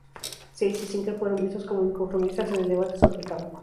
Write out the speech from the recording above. Seitz y Singer fueron vistos como inconformistas en el debate sobre el tabaco.